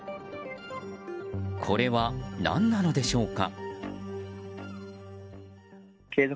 これは何なのでしょうか。